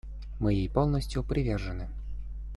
Мы ей полностью привержены.